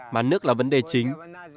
mà nước là vấn đề chính